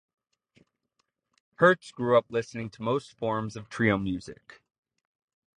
Hertz grew up listening to most forms of trio music.